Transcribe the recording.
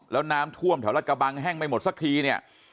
แล้วน้ำท่วมแถวรัฐกระบังแห้งไม่หมดสักทีเนี่ย